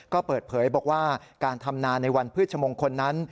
ก็เปิดเผยบอกว่าการทำนาในวันพฤชมงคลนั้น